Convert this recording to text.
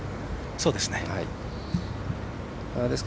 そうですね。